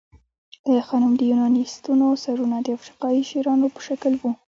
د آی خانم د یوناني ستونو سرونه د افریقايي شیرانو په شکل وو